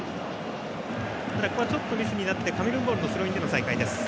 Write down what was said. ただ、ここはミスになってカメルーンボールのスローインでの再開です。